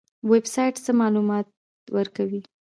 ویب سایټ څه معلومات ورکوي؟